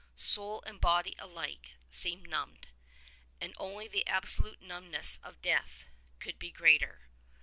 Soul and body alike seemed numbed, and only the absolute numbness of death could be greater.